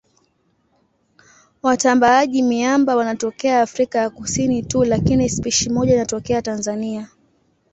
Watambaaji-miamba wanatokea Afrika ya Kusini tu lakini spishi moja inatokea Tanzania.